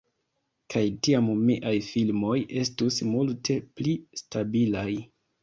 Kaj tiam miaj filmoj estus multe pli stabilaj.